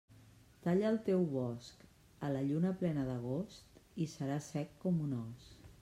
Talla el teu bosc a la lluna plena d'agost i serà sec com un os.